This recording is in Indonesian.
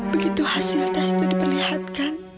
begitu hasil tes itu diperlihatkan